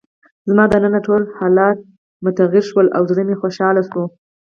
زما دننه ټول حالات متغیر شول او زړه مې خوشحاله شو.